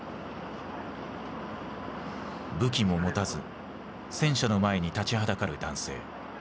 武器も持たず戦車の前に立ちはだかる男性。